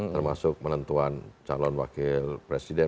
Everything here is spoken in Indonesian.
termasuk penentuan calon wakil presiden